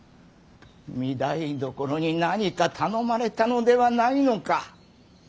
御台所に何か頼まれたのではないのか。